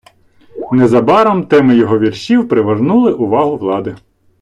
Незабаром теми його віршів привернули увагу влади.